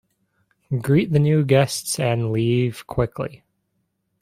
Greet the new guests and leave quickly.